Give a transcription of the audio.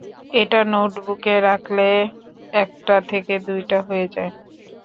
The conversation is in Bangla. এটা নোটবুকে রাখলে, একটা থেকে দুইটা হয়ে যায়।